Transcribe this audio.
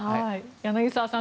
柳澤さん